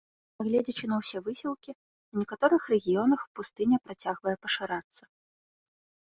Нягледзячы на ўсе высілкі, у некаторых рэгіёнах пустыня працягвае пашырацца.